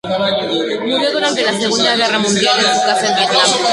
Murió durante la Segunda Guerra Mundial en su casa en Vietnam.